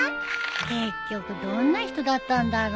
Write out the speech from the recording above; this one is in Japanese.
結局どんな人だったんだろうね。